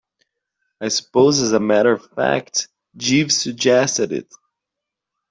I suppose, as a matter of fact, Jeeves suggested it.